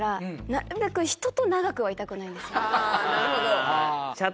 あなるほど。